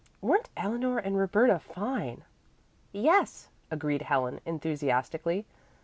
"Weren't Eleanor and Roberta fine?" "Yes," agreed Helen enthusiastically.